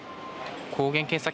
抗原検査